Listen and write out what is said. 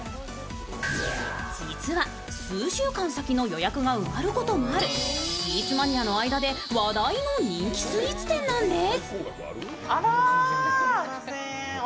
実は、数週間先の予約が埋まることもあるスイーツマニアの間で話題の人気スイーツ店なんです。